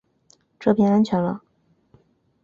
这边安全了